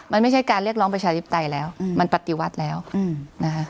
มันไม่ใช่การเรียกร้องประชาธิปไตยแล้วมันปฏิวัติแล้วนะคะ